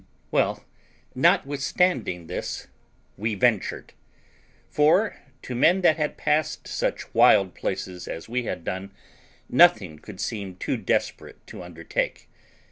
Well, notwithstanding this, we ventured; for, to men that had passed such wild places as we had done, nothing could seem too desperate to undertake.